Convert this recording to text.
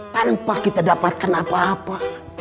tanpa kita dapatkan apa apa